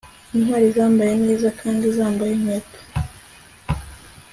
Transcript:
Intwali zambaye neza kandi zambaye inkweto